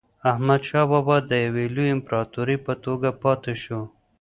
احمدشاه بابا د یو لوی امپراتور په توګه پاتې شو.